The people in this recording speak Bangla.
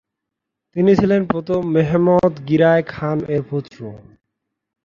তিনি ছিলেন প্রথম মেহমেদ গিরায় খান এর পুত্র।